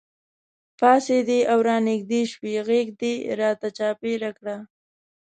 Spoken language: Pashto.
پاڅېدې او رانږدې شوې غېږ دې راته چاپېره کړه.